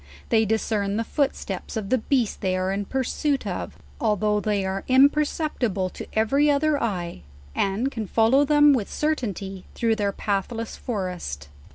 They discern the footsteps of the beast they are in pur suit of, although they are imperceptible to every other eye, and can follow them with certainty through their pathless forest.